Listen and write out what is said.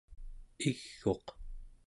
ig'uq